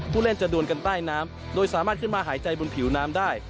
ผู้เล่นจะดวนกันใต้น้ำโดยสามารถขึ้นมาหายใจบนผิวน้ำได้